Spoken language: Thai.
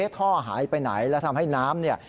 ท่อหายไปไหนแล้วทำให้น้ำเนี่ย